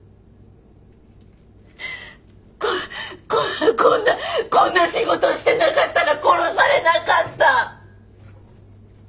ここんなこんなこんな仕事してなかったら殺されなかった！